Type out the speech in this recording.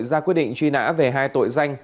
ra quyết định truy nã về hai tội danh